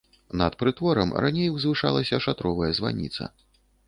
Над прытворам раней узвышалася шатровая званіца.